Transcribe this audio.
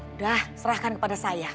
udah serahkan kepada saya